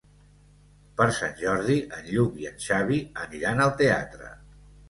Per Sant Jordi en Lluc i en Xavi aniran al teatre.